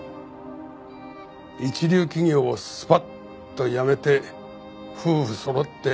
一流企業をすぱっと辞めて夫婦そろってそば職人。